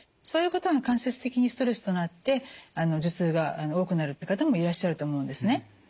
そういうことが間接的にストレスとなって頭痛が多くなるって方もいらっしゃると思うんですね。